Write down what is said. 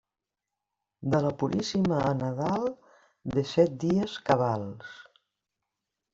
De la Puríssima a Nadal, dèsset dies cabals.